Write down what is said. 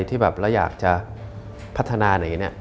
ที่แบบเราอยากจะพัฒนาอะไรอย่างนี้